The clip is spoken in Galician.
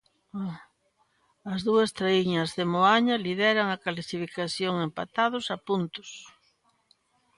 As dúas traíñas de Moaña lideran a clasificación empatados a puntos.